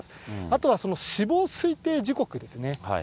あとは死亡推定時刻ですね。